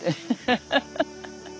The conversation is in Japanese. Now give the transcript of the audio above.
ハハハハ！